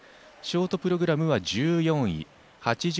ショートプログラムは１４位。